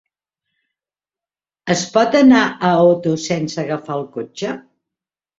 Es pot anar a Otos sense agafar el cotxe?